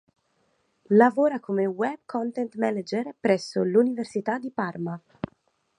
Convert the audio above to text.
Lavora come web content manager presso l'Università di Parma.